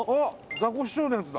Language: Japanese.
ザコシショウのやつだ！